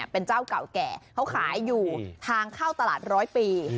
เป็นเจ้าเก่าแก่เขาขายอยู่ทางเข้าตลาดร้อยปี